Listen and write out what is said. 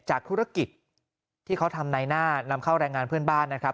ธุรกิจที่เขาทำในหน้านำเข้าแรงงานเพื่อนบ้านนะครับ